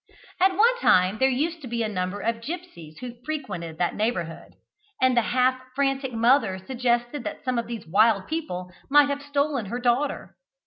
At one time there used to be a number of gipsies who frequented that neighbourhood, and the half frantic mother suggested that some of these wild people might have stolen her daughter.